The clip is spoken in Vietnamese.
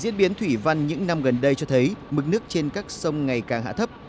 diễn biến thủy văn những năm gần đây cho thấy mực nước trên các sông ngày càng hạ thấp